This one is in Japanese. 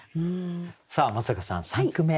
さあ松坂さん３句目。